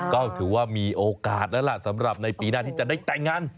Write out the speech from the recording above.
ก็ถือว่ามีโอกาสแล้วล่ะสำหรับในปีหน้าที่จะได้แต่งงาน